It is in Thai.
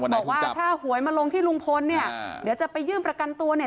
บอกว่าถ้าหวยมาลงที่ลุงพลเนี่ยเดี๋ยวจะไปยื่นประกันตัวเนี่ย